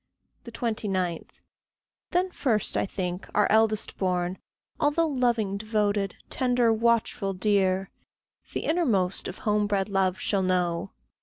29. Then first, I think, our eldest born, although Loving, devoted, tender, watchful, dear, The innermost of home bred love shall know!